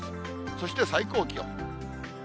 そして最高気温。